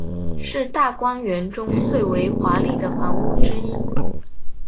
是大观园中最为华丽的房屋之一。